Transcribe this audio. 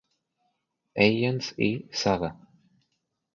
Agents" y "Saga.